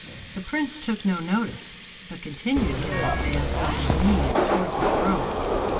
The prince took no notice, but continued his advance on his knees towards the throne.